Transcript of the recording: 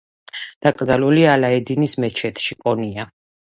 დაკრძალულია ალაედინის მეჩეთში, კონია.